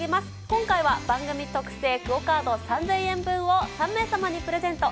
今回は番組特製ＱＵＯカード３０００円分を、３名様にプレゼント。